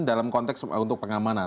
dalam konteks untuk pengamanan